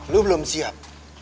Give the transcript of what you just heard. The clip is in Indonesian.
lo belum siap